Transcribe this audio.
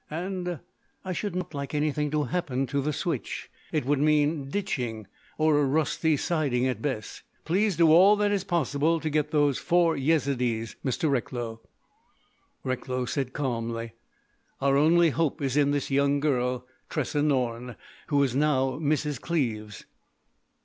"And—I should not like anything to happen to the switch. It would mean ditching—or a rusty siding at best.... Please do all that is possible to get those four Yezidees, Mr. Recklow." Recklow said calmly: "Our only hope is in this young girl, Tressa Norne, who is now Mrs. Cleves."